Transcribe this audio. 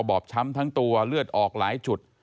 บอบช้ำทั้งตัวเลือดออกหลายจุด